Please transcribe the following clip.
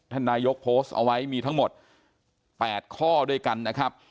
นายกโพสต์เอาไว้มีทั้งหมด๘ข้อด้วยกันนะครับ